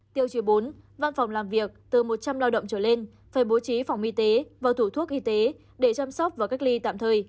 tiêu chí bốn văn phòng làm việc từ một trăm linh lao động trở lên phải bố trí phòng y tế và thủ thuốc y tế để chăm sóc và cách ly tạm thời